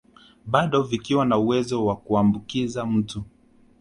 Bado vikiwa na uwezo wa kuambukiza mtu